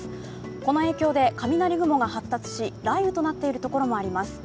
この影響で雷雲が発達し雷雨となっている所もあります。